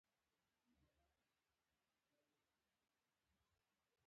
بیا یو څوک هوایی ډګر ته د لیدو لپاره راځي